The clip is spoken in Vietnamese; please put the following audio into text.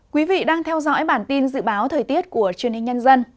quý vị đang theo dõi bản tin dự báo thời tiết của truyền hình nhân dân